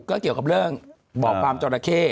ก็เกี่ยวกับเรื่องบ่อความจรเข้